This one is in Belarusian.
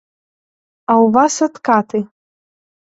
А ў вас адкаты.